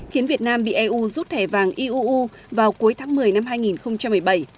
khiến việt nam bị eu rút thẻ vàng iuu vào cuối tháng một mươi năm hai nghìn một mươi bảy